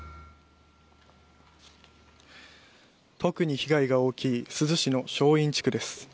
特に被害が大きい珠洲市の正院地区です。